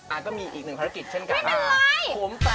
อาจจะมีอีกภารกิจนั้น